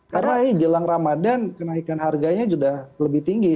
karena ini jelang ramadhan kenaikan harganya sudah lebih tinggi